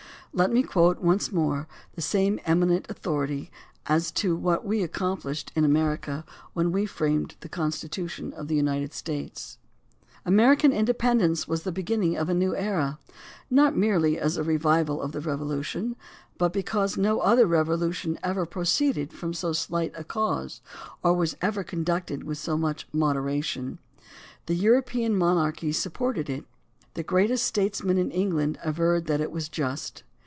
Let me quote once more the same eminent authority as to what we accomplished in America when we framed the Constitution of the United States. American independence was the beginning of a new era, not merely as a revival of the Revolution, but because no other revolution ever proceeded from so slight a cause or was ever conducted with so much moderation. The European mon archies supported it. The greatest statesmen in England averred that it was just.